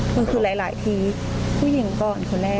มันคือหลายทีผู้หญิงก่อนคนแรก